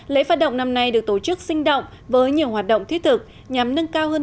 lễ phát động năm nay được tổ chức sinh động với nhiều hoạt động thiết thực nhằm nâng cao hơn